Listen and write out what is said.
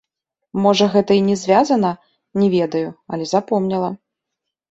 Можа гэта і не звязана, не ведаю, але запомніла.